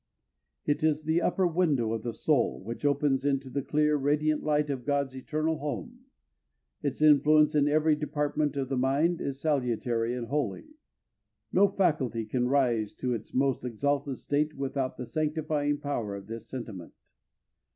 It is the upper window of the soul, which opens into the clear, radiant light of God's eternal home. Its influence in every department of the mind is salutary and holy; no faculty can rise to its most exalted state without the sanctifying power of this sentiment.